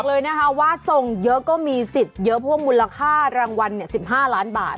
เลยนะคะว่าส่งเยอะก็มีสิทธิ์เยอะเพราะว่ามูลค่ารางวัล๑๕ล้านบาท